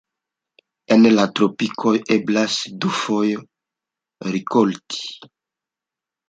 En la tropikoj eblas dufoje rikolti.